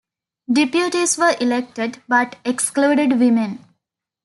Deputies were elected, but excluded women.